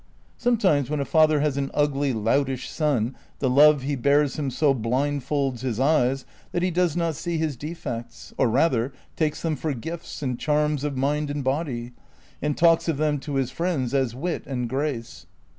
Sonietimes when a father has an ugly, loutish son, the love he bears him so blindfolds his eyes that he does not see his defects, or, rather, takes them for gifts and charms of nund and body, and talks of them to his friends as wit and grace.